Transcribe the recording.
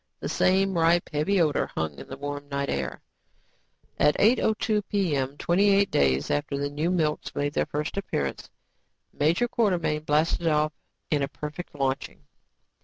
The same ripe, heavy odor hung in the warm night air. At 8:02 p.m., twenty eight days after the new milks made their first appearance, Major Quartermain blasted off in a perfect launching.